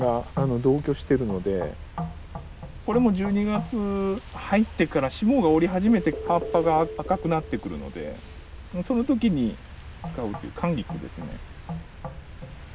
これも１２月入ってから霜が降り始めて葉っぱが赤くなってくるのでその時に使うっていう寒菊ですね。